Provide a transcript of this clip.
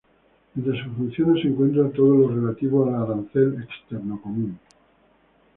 Entre sus funciones se encuentra todo lo relativo al arancel externo común.